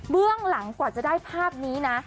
เบื้องหลังกว่าจะได้ภาพนี้นะ